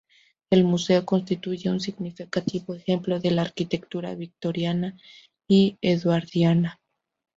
El museo constituye un significativo ejemplo de la arquitectura victoriana y eduardiana.